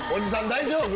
大丈夫？